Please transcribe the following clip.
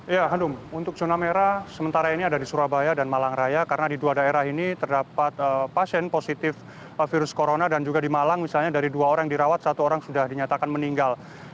ya hanum untuk zona merah sementara ini ada di surabaya dan malang raya karena di dua daerah ini terdapat pasien positif virus corona dan juga di malang misalnya dari dua orang yang dirawat satu orang sudah dinyatakan meninggal